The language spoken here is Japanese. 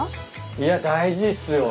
いや大事っすよ。